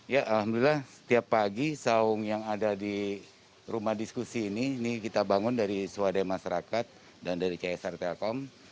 ya alhamdulillah setiap pagi saung yang ada di rumah diskusi ini ini kita bangun dari swadaya masyarakat dan dari csr telkom